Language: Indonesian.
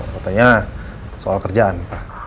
katanya soal kerjaan pak